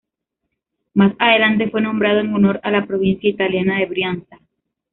Más adelante fue nombrado en honor a la provincia italiana de Brianza.